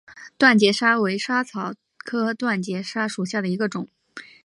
断节莎为莎草科断节莎属下的一个种。